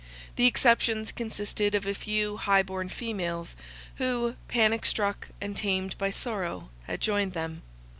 The exceptions consisted of a few high born females, who, panic struck, and tamed by sorrow, had joined him.